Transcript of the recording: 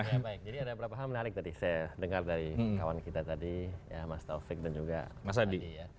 ya baik jadi ada beberapa hal menarik tadi saya dengar dari kawan kita tadi ya mas taufik dan juga mas adi